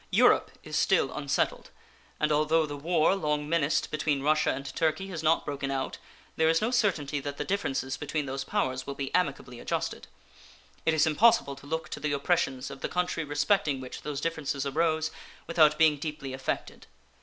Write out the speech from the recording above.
Europe is still unsettled, and although the war long menaced between Russia and Turkey has not broken out, there is no certainty that the differences between those powers will be amicably adjusted. It is impossible to look to the oppressions of the country respecting which those differences arose without being deeply affected.